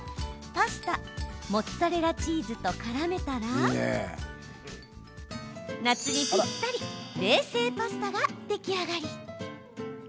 パスタ、モッツァレラチーズとからめたら夏にぴったり冷製パスタが出来上がり。